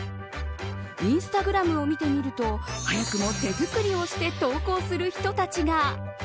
インスタグラムを見てみると早くも手作りをして投稿する人たちが。